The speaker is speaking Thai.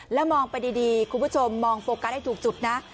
แล้วมองไปดีคุณผู้ชมมองโฟกัสให้ถูกจุดนะ